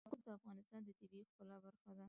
یاقوت د افغانستان د طبیعت د ښکلا برخه ده.